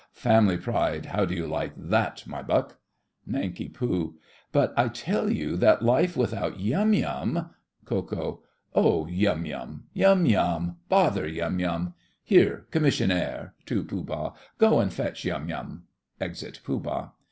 Family Pride, how do you like that, my buck? NANK. But I tell you that life without Yum Yum—— KO. Oh, Yum Yum, Yum Yum! Bother Yum Yum! Here, Commissionaire (to Pooh Bah), go and fetch Yum Yum. (Exit Pooh Bah.)